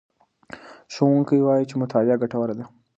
ښوونکی وایي چې مطالعه ګټوره ده.